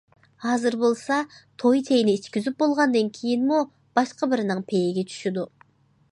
ھازىر بولسا توي چېيىنى ئىچكۈزۈپ بولغاندىن كېيىنمۇ باشقا بىرىنىڭ پېيىگە چۈشىدۇ.